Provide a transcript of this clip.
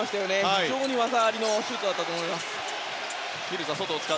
非常に技ありのシュートだったと思います。